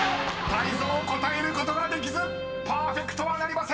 ［泰造答えることができずパーフェクトはなりません！］